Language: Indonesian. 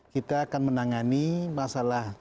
kita akan menangani masalah